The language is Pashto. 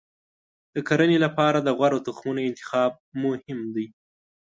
د کرنې لپاره د غوره تخمونو انتخاب مهم دی.